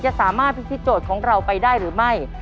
จะสามารถพิธีโจทย์ของเราไปได้หรือไม่